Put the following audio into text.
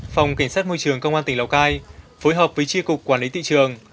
phòng cảnh sát môi trường công an tỉnh lào cai phối hợp với chi cục quản lý tị trường